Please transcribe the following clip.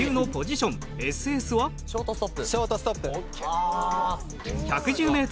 ショートストップ。